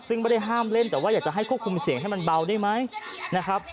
ซึ่งไม่ได้ห้ามเล่นแต่ว่าอยากจะให้ควบคุมเสียงให้มันเบาได้ไหมนะครับ